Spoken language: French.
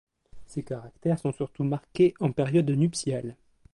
Ces caractères sont surtout marqués en période nuptiale.